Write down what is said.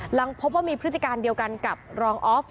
หลังพบว่ามีพฤติการเดียวกันกับรองออฟ